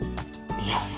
いや。